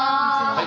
はい！